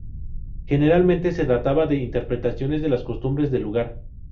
Generalmente se trataba de interpretaciones de las costumbres del lugar.